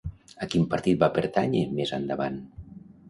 A quin partit va pertànyer més endavant?